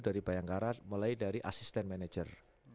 dari bayangkara mulai dari asisten manajer